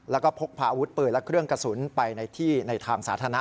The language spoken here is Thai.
แล้วก็พกพาอาวุธปืนและเครื่องกระสุนไปในที่ในทางสาธารณะ